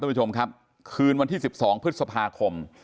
ทุกผู้ชมครับคืนวันที่สิบสองภษภาคม